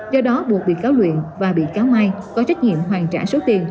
do đó buộc bị cáo luyện và bị cáo mai có trách nhiệm hoàn trả số tiền